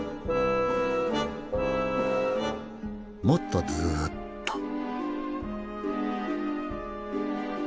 もっとずっと。